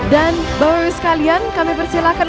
dan bapak ibu sekalian kami persilahkan